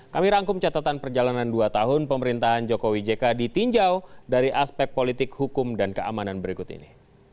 kami rangkum catatan perjalanan dua tahun pemerintahan jokowi jk ditinjau dari aspek politik hukum dan keamanan berikut ini